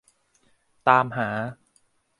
ตามหา